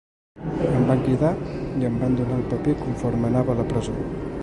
Em van cridar i em van donar el paper conforme anava a la presó.